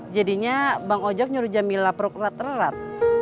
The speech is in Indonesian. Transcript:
jadinya bang ojak nyuruh jamila peruk erat erat